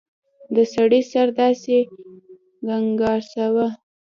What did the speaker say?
د سړي سر داسې ګنګساوه.